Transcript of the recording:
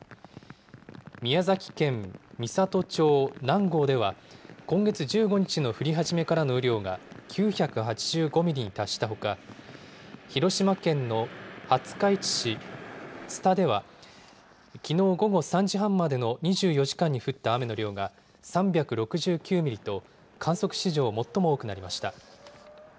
宮崎県美郷町南郷では今月１５日の降り始めからの雨量が９８５ミリに達したほか広島県の廿日市市津田ではきのう午後３時半までの２４時間に降った雨の量が３６９ミリと観測史上最も多くなりました。